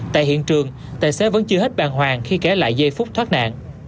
tại hiện trường tài xế vẫn chưa hết bàng hoàng khi kể lại giây phút thoát nạn